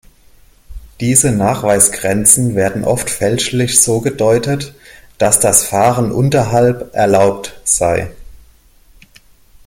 Diese Nachweisgrenzen werden oft fälschlich so gedeutet, dass das Fahren „unterhalb“ "erlaubt" sei.